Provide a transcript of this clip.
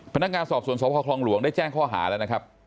พนักงานสอบสวนสพคลองหลวงได้แจ้งข้อหาแล้วนะครับ